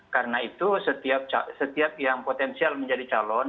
karena itu setiap yang potensial menjadi calon